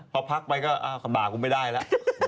พอพักไปก็บ่ากูไม่ได้ละ